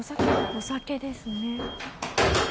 お酒ですね。